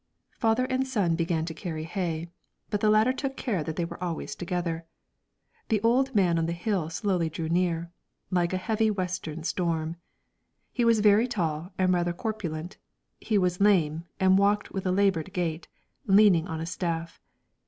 Father and son again began to carry hay; but the latter took care that they were always together. The old man on the hill slowly drew near, like a heavy western storm. He was very tall and rather corpulent; he was lame and walked with a labored gait, leaning on a staff.